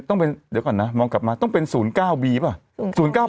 ต้องเป็นเดี๋ยวก่อนนะมองกลับมาต้องเป็นศูนย์เก้าบีป่ะศูนย์เก้า